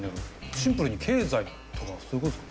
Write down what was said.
シンプルに経済とかそういう事ですか？